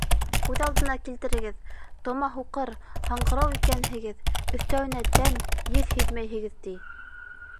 Күҙ алдына килтерегеҙ: тома һуҡыр, һаңғырау икәнһегеҙ, өҫтәүенә тәм, еҫ һиҙмәйһегеҙ ти.